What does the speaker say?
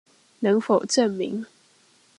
能否證明